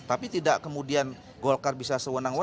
tapi tidak kemudian golkar bisa sewenang wenang